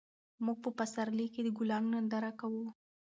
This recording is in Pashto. موږ په پسرلي کې د ګلانو ننداره کوو.